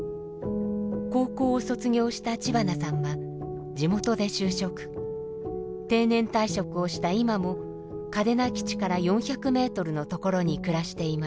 高校を卒業した知花さんは地元で就職定年退職をした今も嘉手納基地から４００メートルのところに暮らしています。